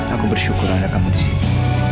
aku bersyukur ada kamu di sini